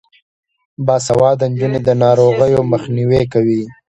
باسواده نجونې د ناروغیو مخنیوی کوي.